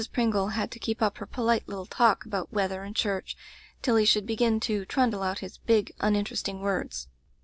Pringle had to keep up her polite little talk about weather and church, till he should begin to trundle out his big, uninteresting words.